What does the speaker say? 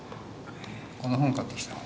この本買ってきたの。